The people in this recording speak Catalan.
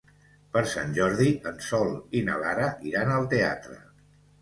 Per Sant Jordi en Sol i na Lara iran al teatre.